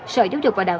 sở chú trục và đạo